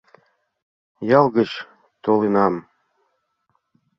— Ял гыч толынам.